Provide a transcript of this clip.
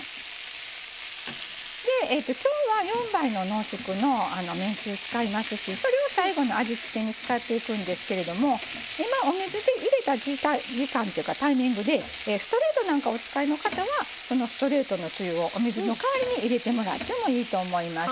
今日は４倍の濃縮のめんつゆ使いますしそれを最後の味付けに使っていくんですけれども今お水入れた時間というかタイミングでストレートなんかをお使いの方はそのストレートのつゆをお水の代わりに入れてもらってもいいと思います。